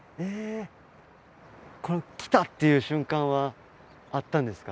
この来たっていう瞬間はあったんですか？